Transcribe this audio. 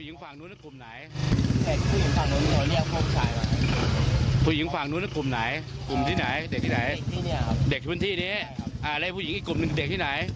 มันเป็นเรื่องเพียงให้กลุ่มนั้น